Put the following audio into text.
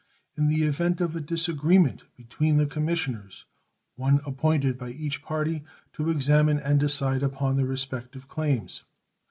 In the event of a disagreement between the commissioners, one appointed by each party, to examine and decide upon their respective claims.